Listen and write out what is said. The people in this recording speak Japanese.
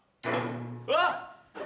うわっ！